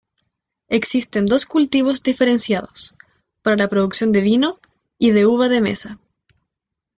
Existen dos cultivos diferenciados: para la producción de vino, y de uva de mesa.